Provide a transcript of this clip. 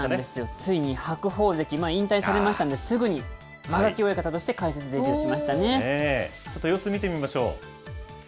ついに白鵬関、引退されましたので、すぐに間垣親方として解説デちょっと様子見てみましょう。